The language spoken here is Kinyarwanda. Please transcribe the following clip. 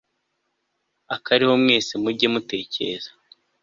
abariho mwese mujye mutekereza